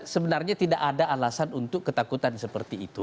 sebenarnya tidak ada alasan untuk ketakutan seperti itu